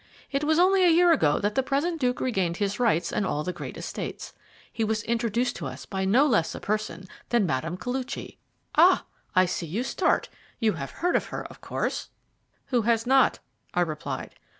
It was only a year ago that the present Duke regained his rights and all the great estates. He was introduced to us by no less a person than Madame Koluchy. Ah! I see you start. You have heard of her, of course?" "Who has not?" I replied.